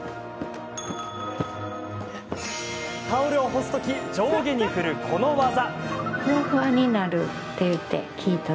タオルを干す時上下に振る、このワザ。